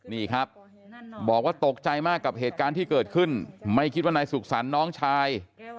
นี่ครับบอกว่าตกใจมากกับเหตุการณ์ที่เกิดขึ้นไม่คิดว่านายสุขสรรค์น้องชาย